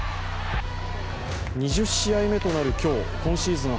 ２０試合目となる今日、今シーズン